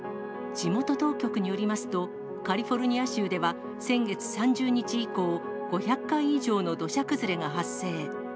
地元当局によりますと、カリフォルニア州では先月３０日以降、５００回以上の土砂崩れが発生。